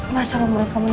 masa menurut kamu